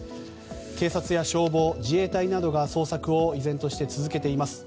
警察や消防、自衛隊などが捜索を依然として続けています。